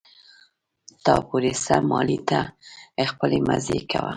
تا پورې څه مالې ته خپلې مزې کوه.